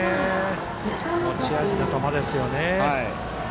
持ち味の球ですよね。